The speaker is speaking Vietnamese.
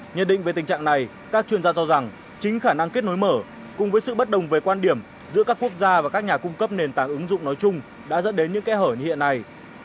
nhận định về tình trạng này các chuyên gia cho rằng chính khả năng kết nối mở cùng với sự bất đồng về quan điểm giữa các quốc gia và các nhà cung cấp nền tảng ứng dụng nói chung đã dẫn đến những kẽ hở như hiện nay